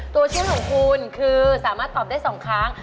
ตัวช่วยของคุณคือสามารถตอบได้๒ครั้ง